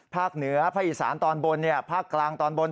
เหนือภาคอีสานตอนบนภาคกลางตอนบน